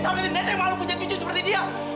sampai nenek malu punya cucu seperti dia